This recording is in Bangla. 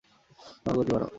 তোমার গতি বাড়াও।